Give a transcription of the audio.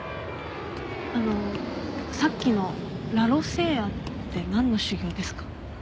あのさっきのラロセーアってなんの修行ですか？